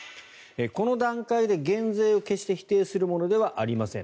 この段階で減税を決して否定するものではありません。